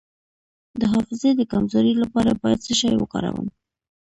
د حافظې د کمزوری لپاره باید څه شی وکاروم؟